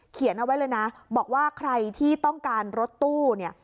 เขียนเอาไว้เลยนะบอกว่าใครที่ต้องการรถตู้เนี่ย